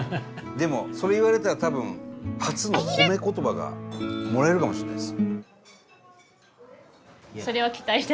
でもそれ言われたら多分初の褒め言葉がもらえるかもしれないです。